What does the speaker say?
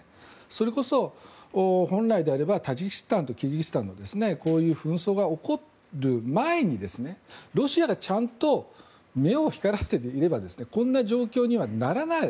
それこそ、本来であればタジキスタンとキルギスタンのこういう紛争が起こる前にロシアがちゃんと目を光らせていればこんな状況にはならない。